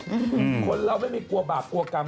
คนเราไม่มีกลัวบาปกลัวกรรม